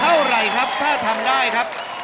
เท่าไหร่ครับถ้าทำได้ครับ